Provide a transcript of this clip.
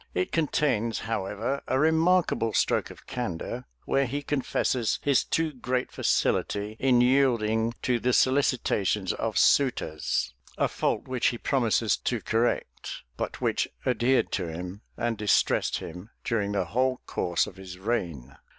It contains, however, a remarkable stroke of candor, where he confesses his too great facility in yielding to the solicitations of suitors:[] a fault which he promises to correct, but which adhered to him, and distressed him, during the whole course of his reign.